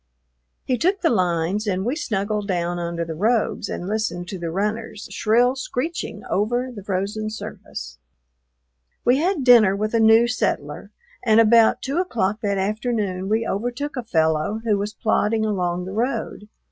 He took the lines and we snuggled down under the robes and listened to the runners, shrill screeching over the frozen surface. We had dinner with a new settler, and about two o'clock that afternoon we overtook a fellow who was plodding along the road.